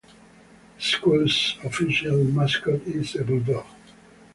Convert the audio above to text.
The school's official mascot is a Bulldog.